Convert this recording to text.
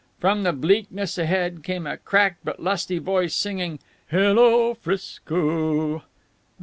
From the bleakness ahead came a cracked but lusty voice singing "Hello, 'Frisco!"